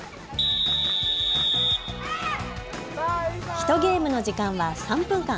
１ゲームの時間は３分間。